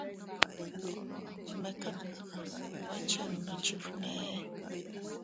Mekat nwe chiinnu chifgnee.